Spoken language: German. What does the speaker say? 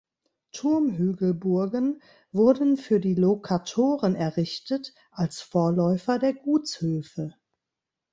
Turmhügelburgen wurden für die Lokatoren errichtet, als Vorläufer der Gutshöfe.